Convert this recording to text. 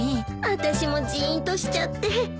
私もじーんとしちゃって。